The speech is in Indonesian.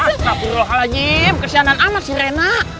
astagfirullahaladzim kesianan amat si rena